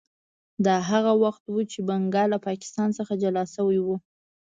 دا هغه وخت و چې بنګال له پاکستان څخه جلا شوی و.